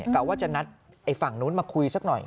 กะว่าจะนัดไอ้ฝั่งนู้นมาคุยสักหน่อย